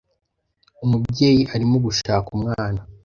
Umubyeyi arimo gushaka umwana.